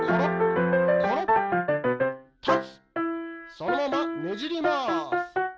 そのままねじります。